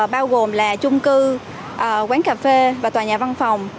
bao gồm là chung cư quán cà phê và tòa nhà văn phòng